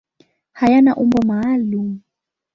Hayana umbo maalum.